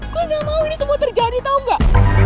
gue gak mau ini semua terjadi tau gak